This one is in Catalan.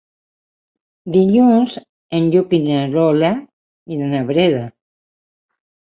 Dilluns en Lluc i na Lola iran a Breda.